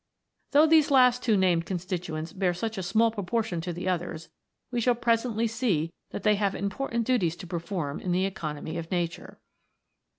Though these two last named constituents bear such a small proportion to the others, we shall presently see that they have important duties to perform in the economy of nature.